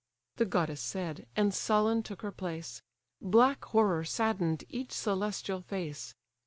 The goddess said, and sullen took her place; Black horror sadden'd each celestial face.